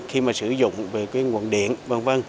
khi mà sử dụng về cái nguồn điện v v